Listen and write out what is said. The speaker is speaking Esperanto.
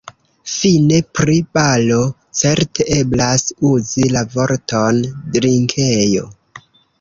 Fine pri baro: Certe eblas uzi la vorton drinkejo.